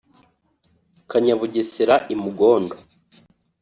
Kanyabugesera I Mugondo